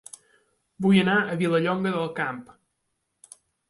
Vull anar a Vilallonga del Camp